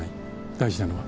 大事なのは？